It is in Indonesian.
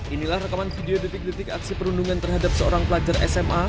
inilah rekaman video detik detik aksi perundungan terhadap seorang pelajar sma